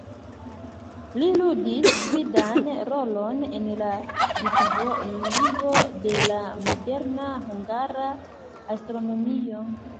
Li ludis gvidan rolon en la disvolvo de la moderna hungara astronomio.